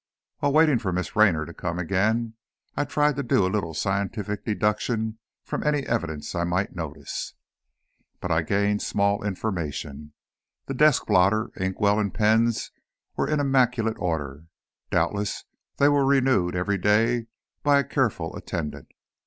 While waiting for Miss Raynor to come again, I tried to do a little scientific deduction from any evidence I might notice. But I gained small information. The desk blotter, inkwell, and pens were in immaculate order, doubtless they were renewed every day by a careful attendant.